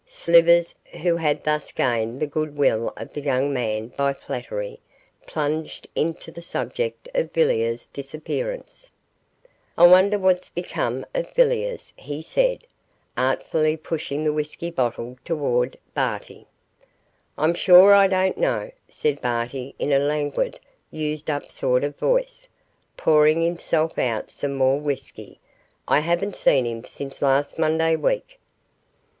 Slivers, who had thus gained the goodwill of the young man by flattery, plunged into the subject of Villiers' disappearance. 'I wonder what's become of Villiers,' he said, artfully pushing the whisky bottle toward Barty. 'I'm sure I don't know,' said Barty in a languid, used up sort of voice, pouring himself out some more whisky, 'I haven't seen him since last Monday week.